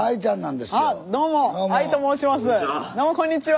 こんにちは。